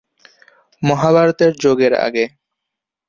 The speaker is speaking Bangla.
মহাভারতের যুগের আগে।